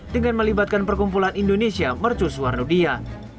dengan melibatkan perkumpulan indonesia mercu suar dunia